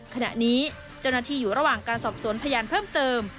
ขณะนี้เจ้าหน้าที่อยู่ระหว่างการสอบสวนพยานเพิ่มเติม